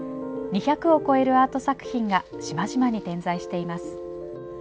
２００を超えるアート作品が島々に点在しています。